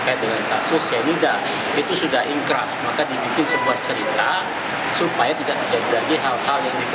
kalau ini dibintai dan terus menerus menjadi polemik di media ataupun polemik di publik